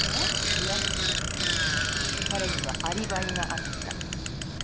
いや彼にはアリバイがあった。